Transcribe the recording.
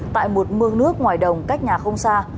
tại một mương nước ngoài đồng cách nhà không xa